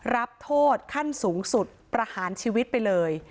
รับโทษขั้นสูงสุดประหารชีวิตไปเลย